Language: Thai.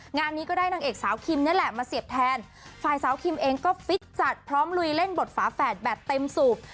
งานนี้ก็ได้นางเอกสาวคิมนี่แหละมาเสียบแทนฝ่ายสาวคิมเองก็ฟิตจัดพร้อมลุยเล่นบทฝาแฝดแบบเต็มสูบ